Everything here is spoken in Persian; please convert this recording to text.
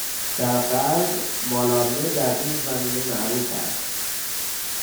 در غرب مالارمه در این زمینه معروف است